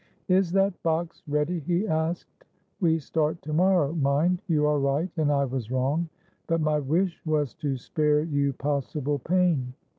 "Is that box ready?" he asked. "We start to morrow, mind. You are right, and I was wrong; but my wish was to spare you possible pain.